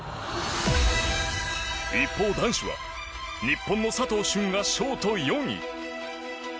一方、男子は日本の佐藤駿がショート４位。